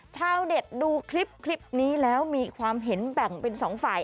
ชาวเน็ตดูคลิปนี้แล้วมีความเห็นแบ่งเป็นสองฝ่าย